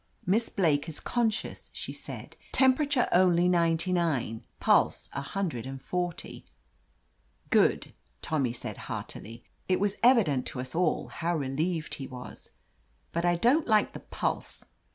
"Miss Blake is conscious," she said. "Tem perature only ninety nine, pulse a hundred and forty/* "Good !" Tommy said heartily. It was evi dent to us all how relieved he was. "But I don't like the pulse."